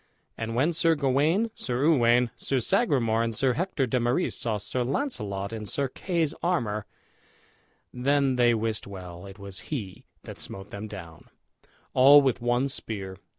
And when Sir Gawain, Sir Uwaine, Sir Sagramour, and Sir Hector de Marys saw Sir Launcelot in Sir Kay's armor then they wist well it was he that smote them down, all with one spear.